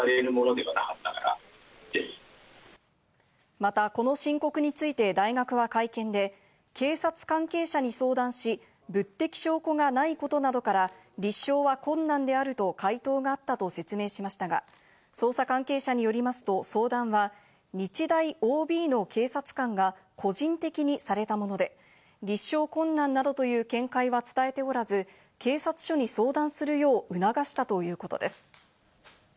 また、この申告について大学は会見で、警察関係者に相談し、物的証拠がないことなどから、立証は困難であると回答があったと説明しましたが、捜査関係者によりますと、相談は日大ＯＢの警察官が個人的にされたもので、立証困難などという見解は伝えておらず、警察署に相談するよう促したということです。